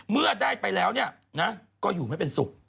เมื่อได้ไปแล้วก็อยู่ไม่เป็นสุข